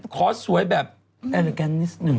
ขอสวยแบบแอลิแกนนิดหนึ่ง